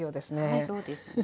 はいそうですね。